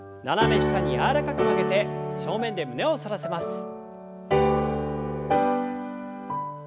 斜め下に柔らかく曲げて正面で胸を反らせます。